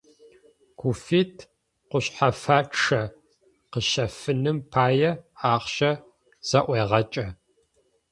Гуфит кушъхьэфачъэ къыщэфыным пае ахъщэ зэӀуегъэкӏэ.